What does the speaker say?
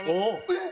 えっ！？